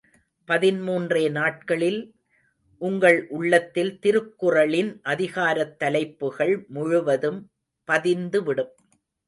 பதின்மூன்றே நாட்களில் உங்கள் உள்ளத்தில் திருக்குறளின் அதிகாரத் தலைப்புகள் முழுவதும் பதிந்து விடும்.